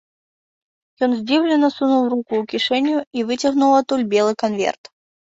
Ён здзіўлена сунуў руку ў кішэнь і выцягнуў адтуль белы канверт.